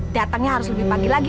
datangnya harus lebih pagi lagi